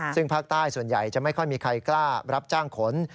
ซึ่งภาคใต้ส่วนใหญ่จะไม่ค่อยมีใครกล้ารับจ้างขน